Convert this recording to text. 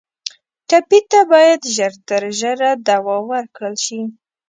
ټپي ته باید ژر تر ژره دوا ورکړل شي.